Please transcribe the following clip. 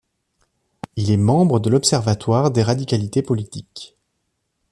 Il est membre de l'Observatoire des radicalités politiques.